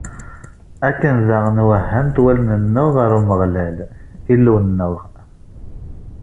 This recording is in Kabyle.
Akken daɣen i wehhant wallen-nneɣ ɣer Umeɣlal, Illu-nneɣ.